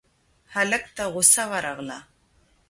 هلک ته غوسه ورغله: